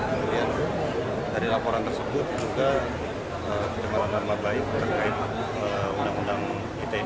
kemudian dari laporan tersebut juga pencemaran nama baik terkait undang undang itd